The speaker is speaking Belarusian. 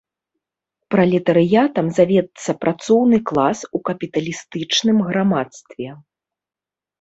Пралетарыятам завецца працоўны клас у капіталістычным грамадстве.